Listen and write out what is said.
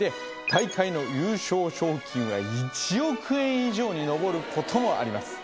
大会の優勝賞金が１億円以上にのぼることもあります